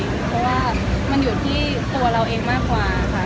เพราะว่ามันอยู่ที่ตัวเราเองมากกว่าค่ะ